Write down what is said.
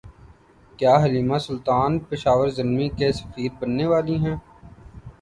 کیا Halime Sultan Peshawar Zalmi کی سفیر بننے والی ہیں